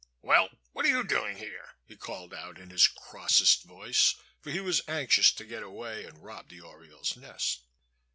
"Well, what are you doing here?" he called out, in his crossest voice, for he was anxious to get away and rob the oriole's nest.